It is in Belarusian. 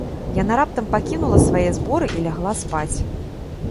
Яна раптам пакінула свае зборы і лягла спаць.